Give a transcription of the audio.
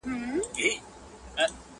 لاره د خیبر، د پښتنو د تلو راتللو ده!!